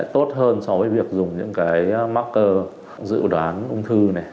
tốt hơn so với việc dùng những cái marcer dự đoán ung thư này